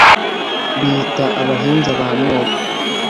biyita abahinza ba mwoga